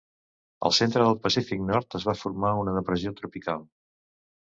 Al centre del Pacífic nord, es va formar una depressió tropical.